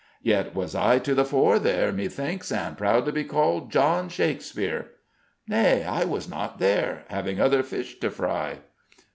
Yet was I to the fore there, methinks, and proud to be called John Shakespeare." "Nay, I was not there; having other fish to fry."